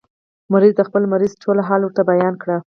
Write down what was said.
مریض د خپل مرض ټول حال ورته بیان کړ.